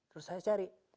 terus saya cari